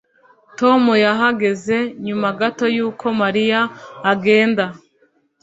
Tom yahageze nyuma gato yuko Mariya agenda